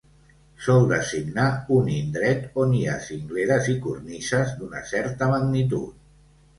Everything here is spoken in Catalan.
Sol designar un indret on hi ha cingleres i cornises d'una certa magnitud.